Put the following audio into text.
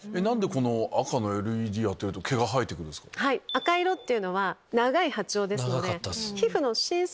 赤色っていうのは長い波長ですので。